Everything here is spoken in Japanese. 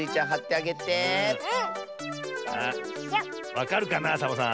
わかるかなサボさん。